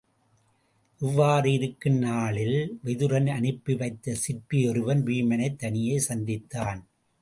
இவ்வாறு இருக்கும் நாளில் விதுரன் அனுப்பி வைத்த சிற்பி ஒருவன் வீமனைத் தனியே சந்தித்தான்.